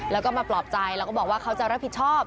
แล้วก็มาปลอบใจแล้วก็บอกว่าเขาจะรับผิดชอบ